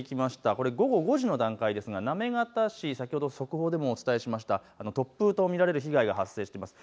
これは午後５時の段階ですが行方市、先ほども速報でお伝えしたとおり、突風と見られる被害が発生しています。